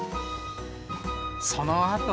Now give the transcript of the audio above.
そのあと。